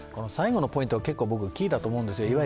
最後のポイントは結構僕、キーだと思うんです。